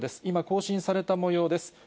今、更新されたもようです。